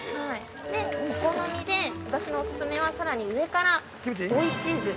お好みで、私のオススメはさらに上から追いチーズ。